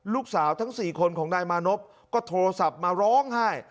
ลูกสาวทั้งสี่คนของนายมานพก็โทรศัพท์มาร้องให้